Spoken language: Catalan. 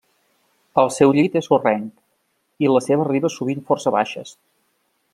El seu llit és sorrenc i les seves ribes sovint força baixes.